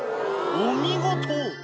お見事。